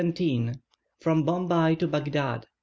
FROM BOMBAY TO BAGHDAD.